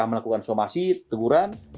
melakukan somasi teguran